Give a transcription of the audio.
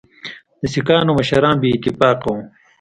د سیکهانو مشران بې اتفاقه وه.